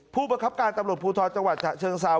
ผู้บังคับการตำรวจภูทรจังหวัดฉะเชิงเซา